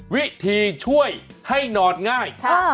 วิธีช่วยให้นอนง่าย